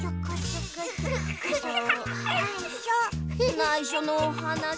ないしょのおはなし。